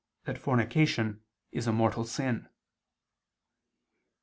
that fornication is a mortal sin.